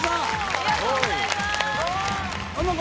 ありがとうございます。